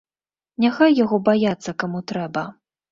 Няхай яго баяцца каму трэба!